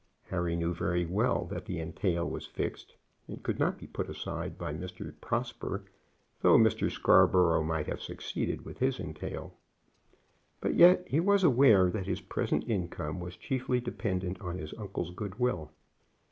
Harry knew very well that the entail was fixed, and could not be put aside by Mr. Prosper, though Mr. Scarborough might have succeeded with his entail; but yet he was aware that his present income was chiefly dependent on his uncle's good will.